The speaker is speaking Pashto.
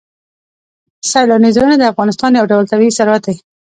سیلاني ځایونه د افغانستان یو ډول طبعي ثروت دی.